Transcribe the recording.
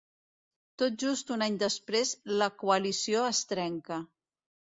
Tot just un any després, la coalició es trenca.